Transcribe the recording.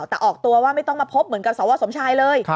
แต่ออกตัวว่าไม่ต้องมาพบเหมือนกับสวสมชายเลย